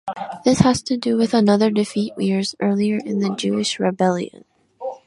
This has to do with another defeat years earlier in the Jewish rebellion.